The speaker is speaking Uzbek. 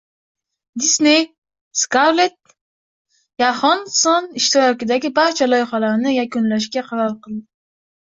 Disney Skarlett Yoxansson ishtirokidagi barcha loyihalarni yakunlashga qaror qildi